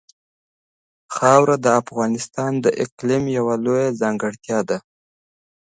خاوره د افغانستان د اقلیم یوه بله لویه ځانګړتیا ده.